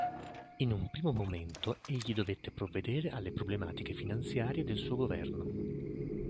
In un primo momento, egli dovette provvedere alle problematiche finanziarie del suo governo.